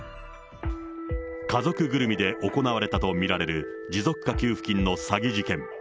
家族ぐるみで行われたと見られる持続化給付金の詐欺事件。